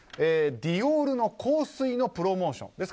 ディオールの香水のプロモーション。